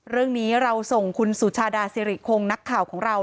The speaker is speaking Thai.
เรื่องนี้เราส่งคุณสุชาดาสิริคงนักข่าวของเรา